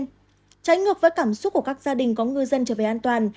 trái ngược với cảm xúc của các gia đình có ngư dân trở về an toàn